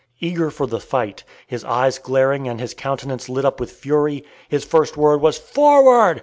Eager for the fight, his eyes glaring and his countenance lit up with fury, his first word was "Forward!"